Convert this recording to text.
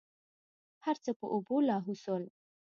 هرڅه په اوبو لاهو سول.